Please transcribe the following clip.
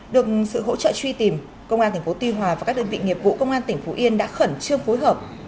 được sự hỗ trợ truy tìm công an tp tuy hòa và các đơn vị nghiệp vụ công an tỉnh phú yên đã khẩn trương phối hợp